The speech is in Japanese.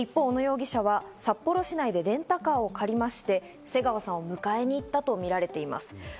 一方、小野容疑者は札幌市内でレンタカーを借りまして、瀬川さんを迎えに行ったとみられています。